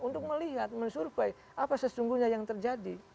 untuk melihat mensurvey apa sesungguhnya yang terjadi